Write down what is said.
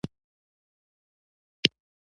چي ملګري تاته ګران وه هغه ټول دي زمولېدلي